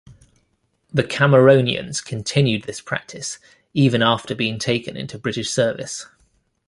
The Cameronians continued this practice even after being taken into British service.